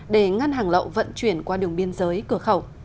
để ngăn hàng lậu vận chuyển qua đường biên giới cửa khẩu